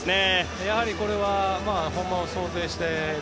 やはりこれは本番を想定している。